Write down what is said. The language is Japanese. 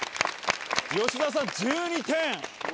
吉澤さん、１２点。